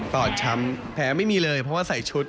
อดช้ำแพ้ไม่มีเลยเพราะว่าใส่ชุด